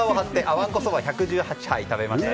わんこそば１１８杯食べました。